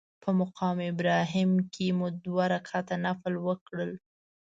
په مقام ابراهیم کې مو دوه رکعته نفل وکړل.